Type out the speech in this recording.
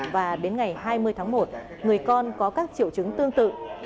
và đến ngày hai mươi tháng một người con có các triệu chứng tương tự